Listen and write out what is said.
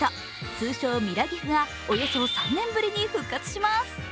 通称・ミラギフがおよそ３年ぶりに復活します。